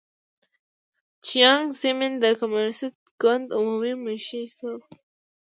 جیانګ زیمن د کمونېست ګوند عمومي منشي شو.